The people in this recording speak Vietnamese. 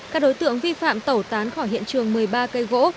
các đối tượng vi phạm tẩu tán khỏi hiện trường một mươi ba cây gỗ